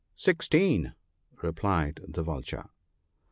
* Sixteen,' replied the Vulture.